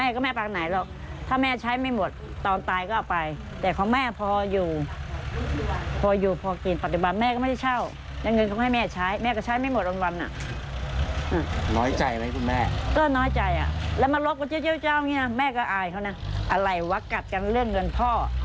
ก็อายเขานะอะไรวะกัดกันเรื่องเงินพ่อ